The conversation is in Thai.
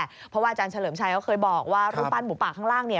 เพราะว่าอาจารย์เฉลิมชัยเขาเคยบอกว่ารูปปั้นหมูป่าข้างล่าง